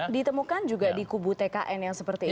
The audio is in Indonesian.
ditemukan juga di kubu tkn yang seperti ini